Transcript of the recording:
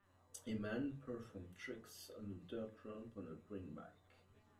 A man performs tricks on a dirt ramp on a green bike.